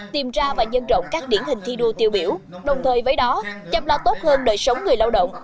tìm ra và nhân rộng các điển hình thi đua tiêu biểu đồng thời với đó chăm lo tốt hơn đời sống người lao động